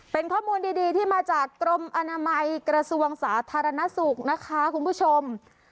เป็นข้อมูลดีที่มาจากกรมอนามัยกระทรวงสาธารณสุขนะคะคุณผู้ชม